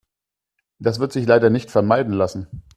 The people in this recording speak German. Das wird sich leider nicht vermeiden lassen.